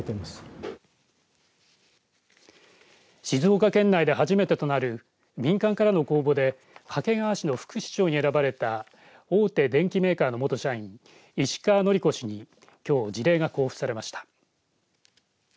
静岡県内で初めてとなる民間からの公募で掛川市の副市長に選ばれた大手電機メーカーの元社員石川紀子氏にきょう辞令が交付されました。